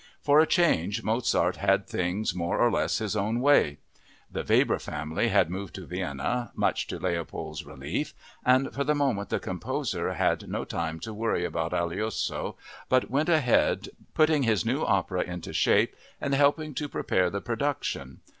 For a change Mozart had things more or less his own way. The Weber family had moved to Vienna, much to Leopold's relief, and for the moment the composer had no time to worry about Aloysia but went ahead putting his new opera into shape and helping to prepare the production.